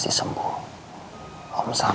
terima kasih baju tuaimport flank planning berkevanak